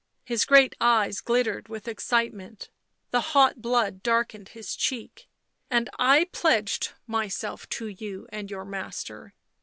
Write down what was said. His great eyes glittered with excitement; the hot blood darkened his cheek. " And I pledged myself to you and your master.